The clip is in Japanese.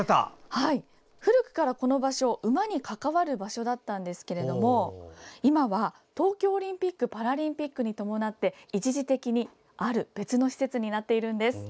古くからこの場所馬に関わる場所なんですが今、東京オリンピック・パラリンピックに伴って一時的にある施設になっているんです。